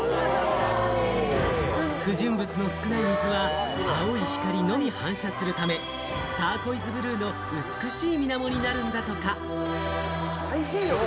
不純物の少ない青い光のみ反射するため、ターコイズブルーの美しい水面になるんだとか。